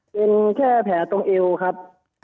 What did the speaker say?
เป็นแค่แผลตรงเอวครับ